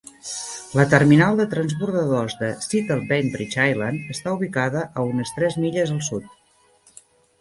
La terminal de transbordadors de Seattle-Bainbridge Island està ubicada a unes tres milles al sud.